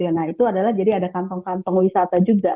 nah itu adalah jadi ada kantong kantong wisata juga